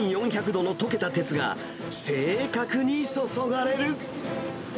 １４００度の溶けた鉄が、正確に注がれる。